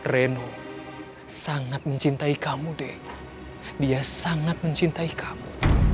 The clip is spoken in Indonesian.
reno sangat mencintai kamu deh dia sangat mencintai kamu